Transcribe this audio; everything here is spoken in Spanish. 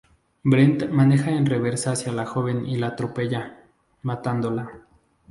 Brent maneja en reversa hacia la joven y la atropella, matándola.